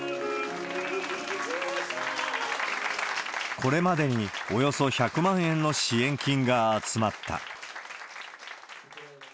これまでにおよそ１００万円の支援金が集まった。